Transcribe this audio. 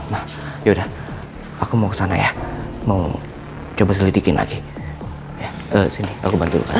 ma ya udah aku mau ke sana ya mau coba selidikin lagi sini aku bantu dulu